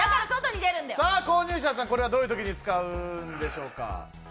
購入者さん、これはどういう時に使うんでしょうか？